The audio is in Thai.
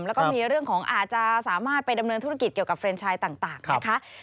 แล้วก็มีเรื่องของอาจจะสามารถไปดำเนินธุรกิจเกี่ยวกับเรนชายต่างนะคะ